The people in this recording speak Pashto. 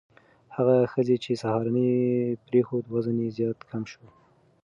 هغه ښځې چې سهارنۍ پرېښوده، وزن یې زیات کم شو.